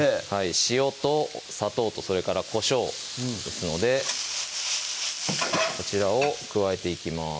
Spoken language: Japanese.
塩と砂糖とそれからこしょうですのでこちらを加えていきます